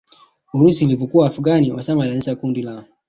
urusi vilivyokuwa Afghanstani Osama alianzisha kundi la